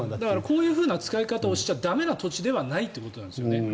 こういう使い方をしちゃ駄目な土地ではないということですよね。